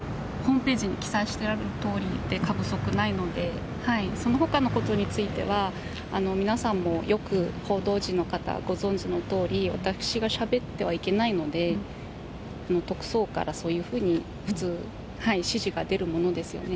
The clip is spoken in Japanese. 改めてご主人の逮捕を受けて、いや、あの、ホームページに記載してあるとおりで過不足ないので、そのほかのことについては、皆さんもよく報道陣の方、ご存じのとおり、私がしゃべってはいけないので、特捜部からそういうふうに、普通、指示が出るものですよね。